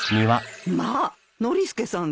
まあノリスケさんが？